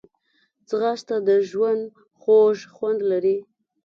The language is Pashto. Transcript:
ځغاسته د ژوند خوږ خوند لري